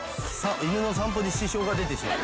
犬の散歩に支障が出てしまう。